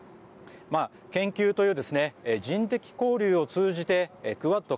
研究という人的交流を通じてクアッド